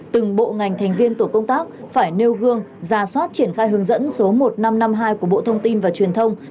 từng bộ ngành thành viên tổ công tác phải nêu gương ra soát triển khai hướng dẫn số một nghìn năm trăm năm mươi hai của bộ thông tin và truyền thông